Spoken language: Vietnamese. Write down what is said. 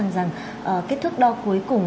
rằng kết thúc đo cuối cùng